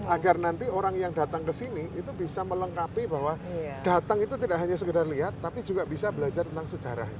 agar nanti orang yang datang ke sini itu bisa melengkapi bahwa datang itu tidak hanya sekedar lihat tapi juga bisa belajar tentang sejarah